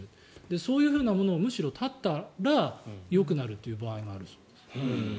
そういうものをむしろ断ったらよくなるという場合があるそうです。